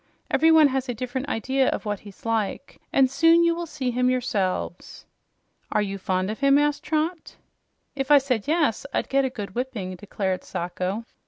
Every one has a different idea of what he's like, and soon you will see him yourselves." "Are you fond of him?" asked Trot. "If I said yes, I'd get a good whipping," declared Sacho.